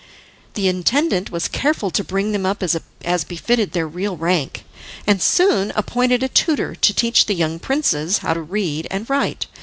The intendant was careful to bring them up as befitted their real rank, and soon appointed a tutor to teach the young princes how to read and write.